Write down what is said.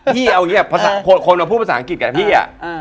พี่เอาอย่างนี้คนมาพูดภาษาอังกฤษกับพี่อะ